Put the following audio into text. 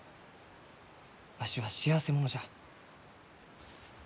わしは幸せ者じゃ。